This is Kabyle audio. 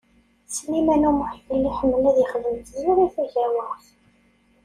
Sliman U Muḥ yella iḥemmel ad yexdem d Tiziri Tagawawt.